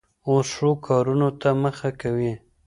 اوس ښو کارونو ته مخه کوي.